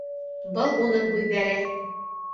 Был уның һүҙҙәре.